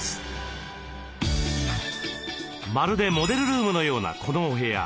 まるでモデルルームのようなこのお部屋。